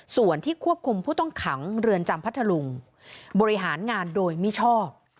ส่วนที่ควบคุมผู้ต้องขังเรือนจำพัทธลุงบริหารงานโดยมิชอบ